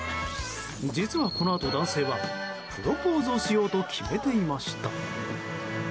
実は、このあと男性はプロポーズをしようと決めていました。